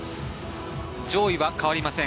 上位は変わりません。